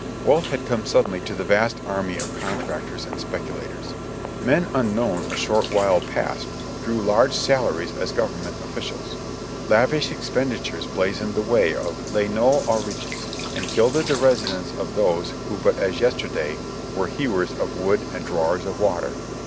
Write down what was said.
Wealth had come suddenly to the vast army of contractors and speculators. Men unknown a short while past drew large salaries as Government officials. Lavish expenditures blazoned the way of "les nouve mix riches," and gilded the residences of those who but as yesterday were hewers of wood and drawers of water.